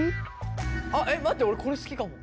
あっえっ待って俺これ好きかも。